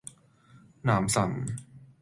男神